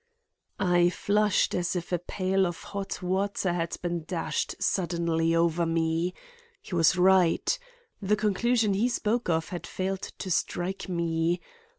I flushed as if a pail of hot water had been dashed suddenly over me. He was right. The conclusion he spoke of had failed to strike me.